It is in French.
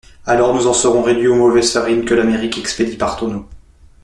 Alors, nous en serons réduits aux mauvaises farines que l'Amérique expédie par tonneaux.